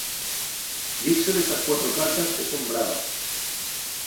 Dizse d'estas cuatro cartas que son bravas.